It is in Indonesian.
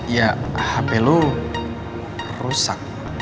ya hp lo rusak